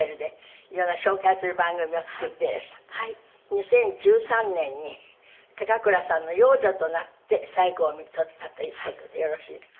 ２０１３年に高倉さんの養女となって最期を看取ったという事でよろしいですか？